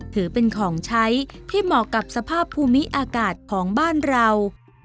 ถือเป็นของใช้ที่เหมาะกับสภาพภูมิอากาศของบ้านเรา